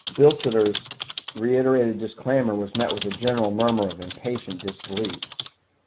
Bilsiter's reiterated disclaimer was met with a general murmur of impatient disbelief.